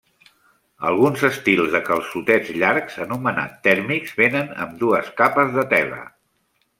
Alguns estils de calçotets llargs, anomenats tèrmics, vénen amb dues capes de tela.